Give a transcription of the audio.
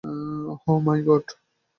Oh my god!